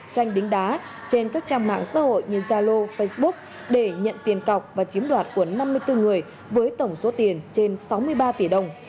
tranh đính đá trên các trang mạng xã hội như zalo facebook để nhận tiền cọc và chiếm đoạt của năm mươi bốn người với tổng số tiền trên sáu mươi ba tỷ đồng